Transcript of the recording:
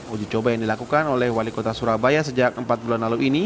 uji coba yang dilakukan oleh wali kota surabaya sejak empat bulan lalu ini